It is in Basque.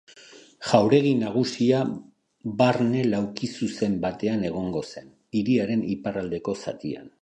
Jauregi nagusia, barne laukizuzen batean egongo zen, hiriaren iparraldeko zatian.